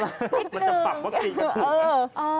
มันจะปักวัคซีนกันค่ะ